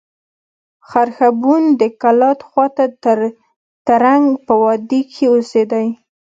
خرښبون د کلات خوا ته د ترنک په وادي کښي اوسېدئ.